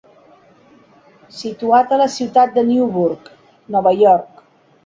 Situat a la ciutat de Newburgh, Nova York.